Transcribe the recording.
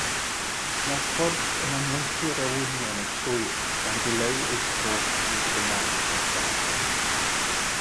Mae'r corff yn amlyncu'r olwynion yn llwyr gan ddileu eu strôc aerodynamig ychwanegol.